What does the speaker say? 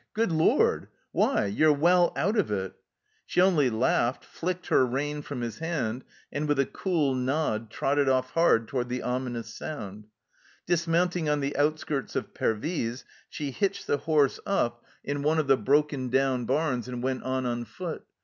Good lord ! Why ? You're well out of it I" She only laughed, flicked her rein from his hand, and with a cool nod trotted off hard toward the ominous sound. Dismounting on the outskirts of Pervyse, she hitched the horse up in one of the 154 THE CELLAR HOUSE OF PERVYSE broken down barns and went on on foot.